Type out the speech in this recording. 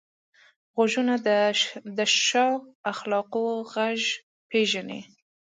غوږونه د ښو اخلاقو غږ پېژني